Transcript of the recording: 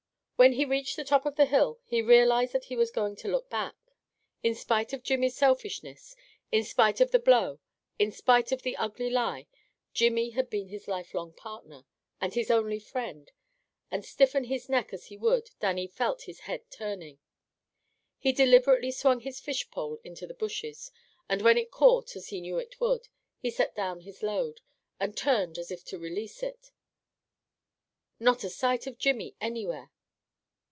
When he reached the top of the hill he realized that he was going to look back. In spite of Jimmy's selfishness, in spite of the blow, in spite of the ugly lie, Jimmy had been his lifelong partner, and his only friend, and stiffen his neck as he would, Dannie felt his head turning. He deliberately swung his fish pole into the bushes, and when it caught, as he knew it would, he set down his load, and turned as if to release it. Not a sight of Jimmy anywhere!